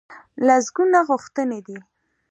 لسګونه غوښتنې دي.